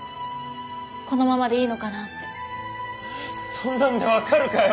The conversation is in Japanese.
そんなんでわかるかよ！